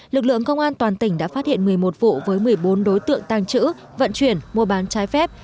lực lượng công an toàn tỉnh đã phát hiện một mươi một vụ với một mươi bốn đối tượng tăng trữ vận chuyển mua bán trái phép